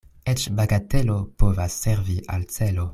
Eĉ bagatelo povas servi al celo.